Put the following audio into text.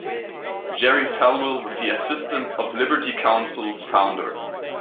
Jerry Falwell with the assistance of Liberty Counsel's Founder.